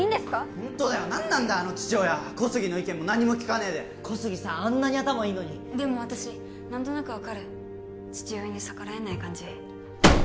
ホントだよ何なんだあの父親小杉の意見も何も聞かねえで小杉さんあんなに頭いいのにでも私何となく分かる父親に逆らえない感じ